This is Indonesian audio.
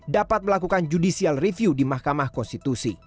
dapat melakukan judicial review di mahkamah konstitusi